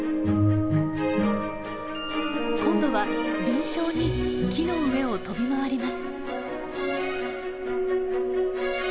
今度は敏しょうに木の上を跳び回ります。